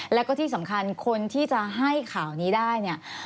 แล้วก็ที่สำคัญคนที่จะให้ข่าวนี้ได้เนี่ย